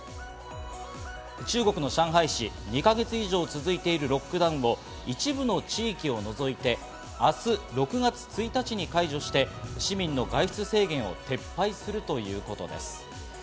中国の上海市、２か月以上続いているロックダウンを一部の地域を除いて明日６月１日に解除して市民の外出制限を撤廃するということです。